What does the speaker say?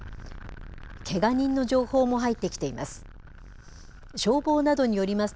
けが人の情報も入ってきています。